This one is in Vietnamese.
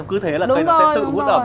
cứ thế là cây nó sẽ tự hút ẩm